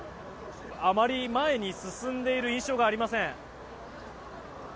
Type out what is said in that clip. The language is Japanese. あまり前に進んでいる印象がありません。